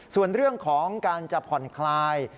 ส่วนเรื่องของการจะผ่อนคลาย